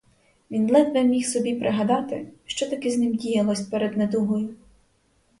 Він ледве міг собі пригадати, що таке з ним діялося перед недугою.